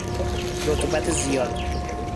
رطوبت زیاد